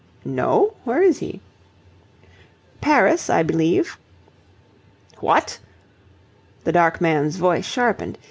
"No? Where is he?" "Paris, I believe." "What!" The dark man's voice sharpened.